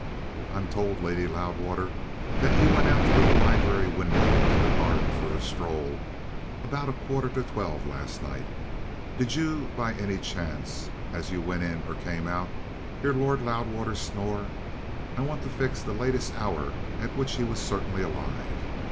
"I'm told, Lady Loudwater, that you went out through the library window into the garden for a stroll about a quarter to twelve last night. Did you by any chance, as you went in or came out, hear Lord Loudwater snore? I want to fix the latest hour at which he was certainly alive.